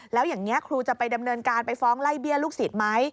แล้วอย่างนี้ครูจะไปดำเนินการไปฟ้องไล่เบี้ยลูกศิษย์ไหม